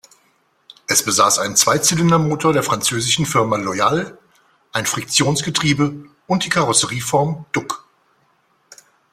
Es besaß einen Zweizylindermotor der französischen Firma "Loyal", ein Friktionsgetriebe und die Karosserieform Duc.